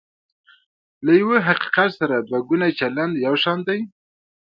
له یوه حقیقت سره دوه ګونی چلند یو شان دی.